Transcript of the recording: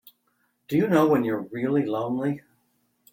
Do you know when you're really lonely?